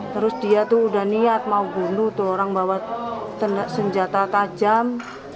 terus dia tuh udah niat mau bunuh tuh orang bawa senjata tajam